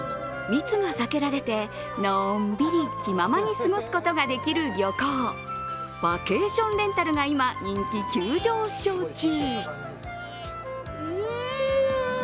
密が避けられて、のんびり気ままに過ごすことができる旅行、バケーションレンタルが今人気急上昇中。